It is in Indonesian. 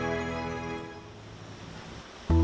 apakah kemampuan pemerintahan ini akan menjadi kemampuan pemerintahan